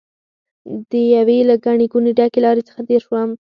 د یوې له ګڼې ګوڼې ډکې لارې څخه تېر شوم.